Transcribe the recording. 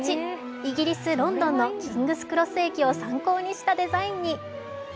イギリス・ロンドンのキングスクロス駅を参考にしたデザインに。